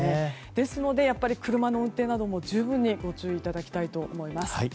ですので、車の運転なども十分にご注意いただきたいと思います。